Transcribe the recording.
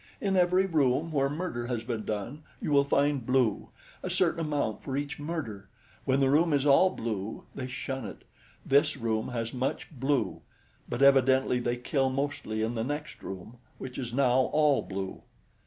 "In every room where murder has been done you will find blue a certain amount for each murder. When the room is all blue, they shun it. This room has much blue; but evidently they kill mostly in the next room, which is now all blue."